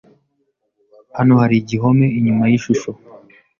Hano hari igihome inyuma yishusho.